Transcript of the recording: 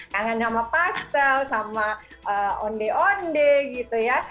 kangen sama pastel sama onde onde gitu ya